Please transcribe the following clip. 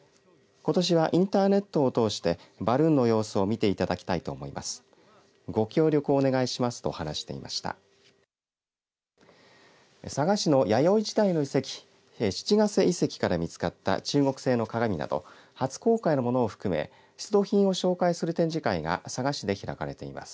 ことしはインターネットを通してバルーンの様子を見ていただきたいと思います。